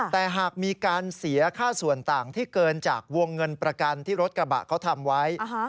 แต่หากมีการเสียค่าส่วนต่างที่เกินจากวงเงินประกันที่รถกระบะเขาทำไว้